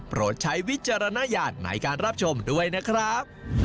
ใช้วิจารณญาณในการรับชมด้วยนะครับ